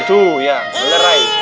itu ya melerai